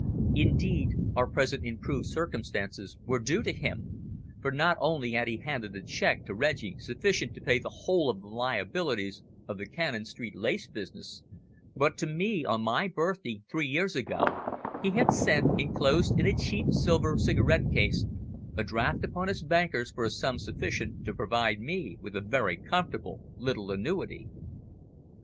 Indeed, our present improved circumstances were due to him, for not only had he handed a cheque to Reggie sufficient to pay the whole of the liabilities of the Cannon Street lace business, but to me, on my birthday three years ago, he had sent, enclosed in a cheap, silver cigarette case, a draft upon his bankers for a sum sufficient to provide me with a very comfortable little annuity.